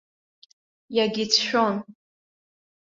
Иагьицәшәон!